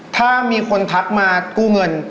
ถ้ามีคนทักมากู้เงิน